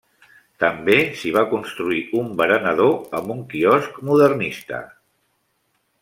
També s'hi va construir un berenador amb un quiosc modernista.